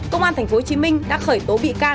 công an tp hcm đã khởi tố bị